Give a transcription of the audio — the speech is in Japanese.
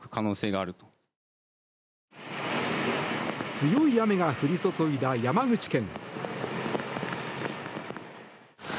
強い雨が降り注いだ山口県。